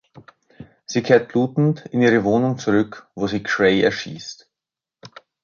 Sie kehrt blutend in ihre Wohnung zurück, wo sie Cray erschießt.